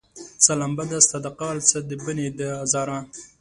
څه لمبه ده ستا د قهر، څه د بني د ازاره